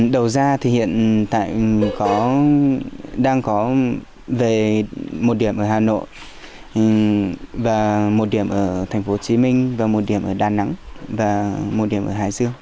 đầu ra thì hiện tại đang có về một điểm ở hà nội một điểm ở tp hcm một điểm ở đà nẵng một điểm ở hải dương